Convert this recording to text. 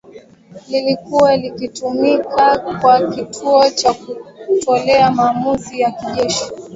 lilikuwa likitumika kama kituo cha kutolea maamuzi ya kijeshi